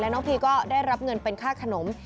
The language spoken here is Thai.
แล้วน้องพีก็ได้รับได้กูปีนเป็นค่าขนม